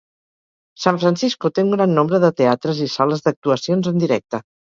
San Francisco té un gran nombre de teatres i sales d'actuacions en directe.